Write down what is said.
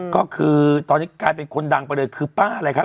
ก็คือตอนนี้กลายเป็นคนดังไปเลยคือป้าอะไรครับ